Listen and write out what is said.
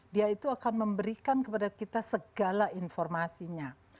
dia itu akan memberikan kepada kita segala informasinya